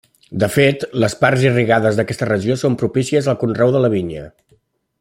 De fet, les parts irrigades d'aquesta regió són propícies al conreu de la vinya.